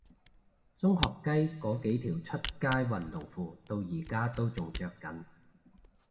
中學雞嗰幾條出街運動褲到而家都仲着緊